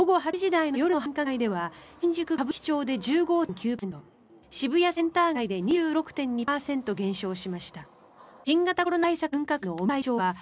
午後８時台の夜の繁華街では新宿・歌舞伎町で１５．９％渋谷センター街で２６．２％減少しました。